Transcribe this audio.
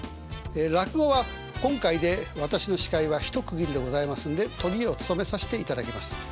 落語は今回で私の司会は一区切りでございますんでトリを務めさせていただきます。